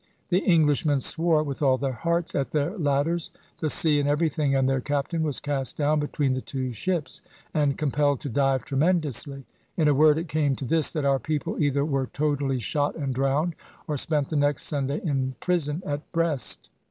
The Englishmen swore with all their hearts at their ladders, the sea, and everything, and their captain was cast down between the two ships, and compelled to dive tremendously; in a word it came to this, that our people either were totally shot and drowned, or spent the next Sunday in prison at Brest.